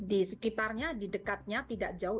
di sekitarnya di dekatnya tidak jauh